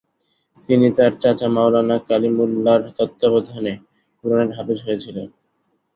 তিনি তার চাচা মাওলানা কালিমুল্লাহর তত্ত্বাবধানে কুরআনের হাফেজ হয়েছিলেন।